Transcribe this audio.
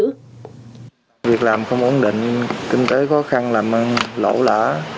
việc làm không ổn định kinh tế khó khăn làm lỗ lã